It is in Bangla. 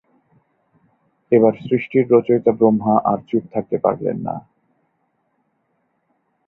এবার সৃষ্টির রচয়িতা ব্রহ্মা আর চুপ থাকতে পারলেন না।